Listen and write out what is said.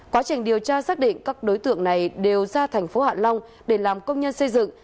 quá trình điều tra xác định các đối tượng này đều ra thành phố hạ long để làm công nhân xây dựng